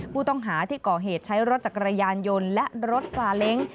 ผู้ต้องหาที่ก่อเหตุใช้รถจักรยานยนต์และรถซาเล้ง